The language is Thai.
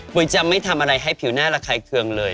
จะไม่ทำอะไรให้ผิวหน้าระคายเคืองเลย